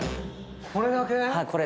これだけ？